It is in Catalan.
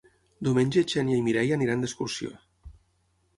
Diumenge na Xènia i na Mireia aniran d'excursió.